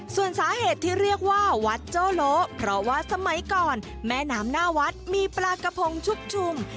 ส่วนสาเหตุที่เรียกว่าวัดโจ้โลเพราะว่าสมัยก่อนแม่น้ำหน้าวัดมีปลากระพงชุกชุม